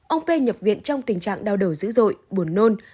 ông p nhập viện trong tình trạng đau đầu dữ dội buồn nôn